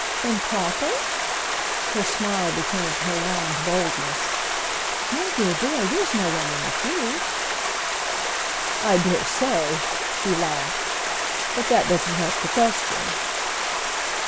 "Improper?"—her smile became a prolonged boldness. "My dear boy, there's no one like you!" "I dare say," he laughed; "but that doesn't help the question."